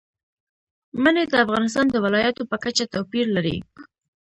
منی د افغانستان د ولایاتو په کچه توپیر لري.